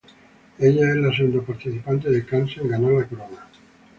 Ella es la segunda participante de Kansas en ganar la corona.